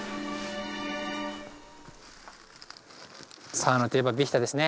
サウナといえばヴィヒタですね。